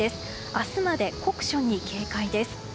明日まで酷暑に警戒です。